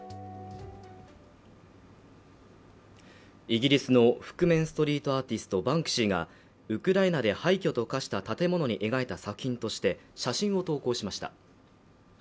イギリスの覆面ストリートアーティストバンクシーがウクライナで廃虚と化した建物に描いた作品として写真を投稿しました